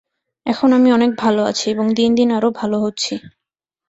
এখন আমি অনেক ভাল আছি এবং দিন দিন আরও ভাল হচ্ছি।